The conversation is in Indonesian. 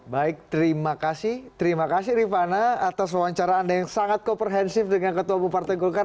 baik terima kasih terima kasih rifana atas wawancara anda yang sangat komprehensif dengan ketua bupartai golkar